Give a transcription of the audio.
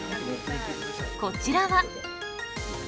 こちらは。